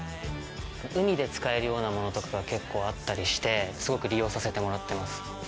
海で使えるようなものとかが結構あったりしてすごく利用させてもらってます。